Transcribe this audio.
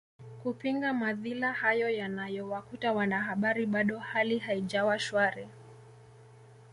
kupinga madhila hayo yanayowakuta wanahabari bado hali haijawa shwari